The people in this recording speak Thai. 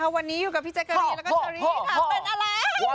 วันนี้อยู่กับพี่แจกรีและก็ชะรีค่ะ